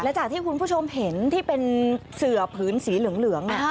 จากที่คุณผู้ชมเห็นที่เป็นเสือผืนสีเหลือง